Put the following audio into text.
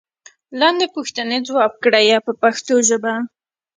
لاندې پوښتنې ځواب کړئ په پښتو ژبه.